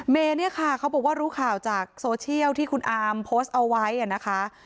เมย์เนี่ยค่ะเขาบอกว่ารู้ข่าวจากโซเชียลที่คุณอาร์มโพสต์เอาไว้นะคะ